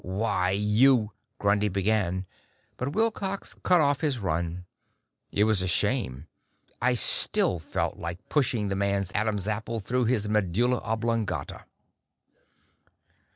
"Why, you " Grundy began, but Wilcox cut off his run. It was a shame. I still felt like pushing the man's Adam's apple through his medulla oblongata.